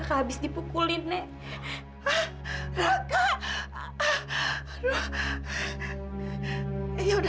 habis dipukulin raka